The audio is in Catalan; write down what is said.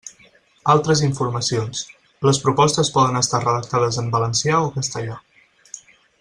Altres informacions: les propostes poden estar redactades en valencià o castellà.